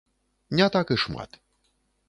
Не так і шмат.